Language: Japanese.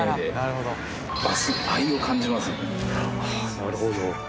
なるほど。